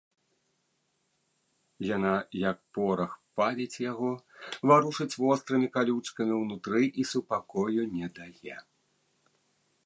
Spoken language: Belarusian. Яна, як порах, паліць яго, варушыць вострымі калючкамі ўнутры і супакою не дае.